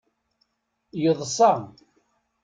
Yeḍṣa.